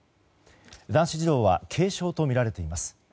男子児童は軽傷とみられています。